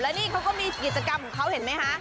นี่เขาก็มีกิจกรรมของเขาเห็นไหมคะ